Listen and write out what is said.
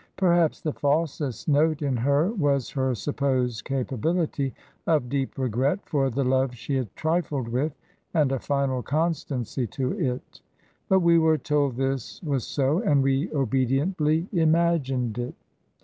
Perhaps the falsest note in her was her supposed capability of deep regret for the love she had trifled with and a final constancy to it; but we were told this was so, and we obediently imagined it.